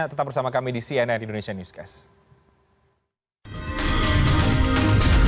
tetap bersama kami di cnn indonesia newscast